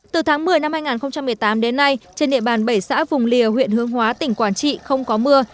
từ tháng một mươi năm hai nghìn một mươi tám đến nay trên địa bàn bảy xã vùng lìa huyện hướng hóa tỉnh quảng trị không có mưa